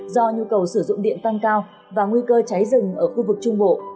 do nhu cầu sử dụng điện tăng cao và nguy cơ cháy rừng ở khu vực trung bộ